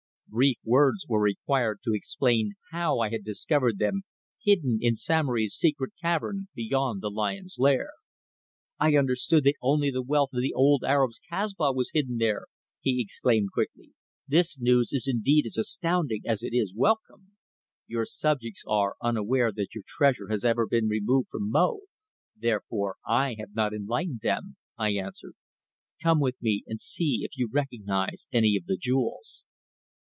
Brief words were required to explain how I had discovered them hidden in Samory's secret cavern beyond the lion's lair. "I understood that only the wealth of the old Arab's Kasbah was hidden there," he exclaimed quickly. "This news is indeed as astounding as it is welcome." "Your subjects are unaware that your treasure has ever been removed from Mo, therefore I have not enlightened them," I answered. "Come with me and see if you recognize any of the jewels."